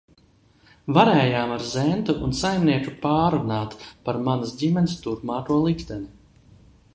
Varējām ar Zentu un saimnieku pārrunāt par manas ģimenes turpmāko likteni.